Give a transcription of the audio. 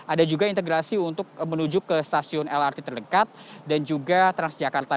ada juga integrasi untuk menuju ke stasiun lrt terdekat dan juga transjakarta